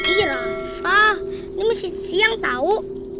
ih rafa ini masih siang tau